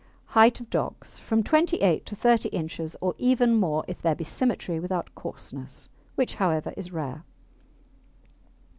HEIGHT OF DOGS From 28 inches to 30 inches, or even more if there be symmetry without coarseness, which, however, is rare.